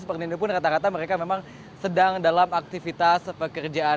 pernindo pun rata rata mereka memang sedang dalam aktivitas pekerjaan